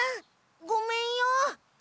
ごめんよ。